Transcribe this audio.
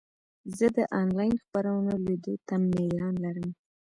زه د انلاین خپرونو لیدو ته میلان لرم.